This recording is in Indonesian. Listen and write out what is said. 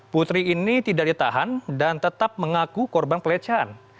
putri ini tidak ditahan dan tetap mengaku korban pelecehan